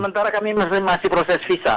sementara kami masih proses visa